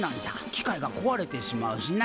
機械がこわれてしまうしな。